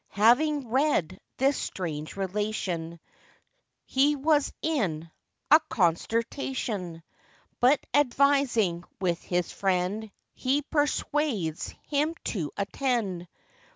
Having read this strange relation, He was in a consternation; But, advising with his friend, He persuades him to attend.